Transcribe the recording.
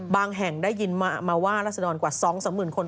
แห่งได้ยินมาว่ารัศดรกว่า๒๓หมื่นคน